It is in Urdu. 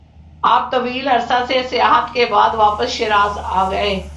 آپ طویل عرصہ سے سیاحت کے بعد واپس شیراز آگئے-